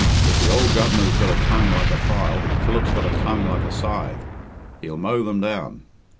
If the ould Governor's got a tongue like a file, Philip's got a tongue like a scythe he'll mow them down.